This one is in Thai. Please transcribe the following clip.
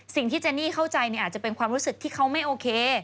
สิ่งที่เจนนี่เข้าใจเนี่ยอาจจะเป็นความรู้สึกที่เขาไม่โอเค